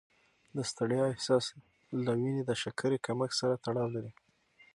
د ستړیا احساس له وینې د شکرې کمښت سره تړاو لري.